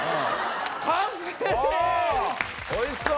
おぉおいしそう！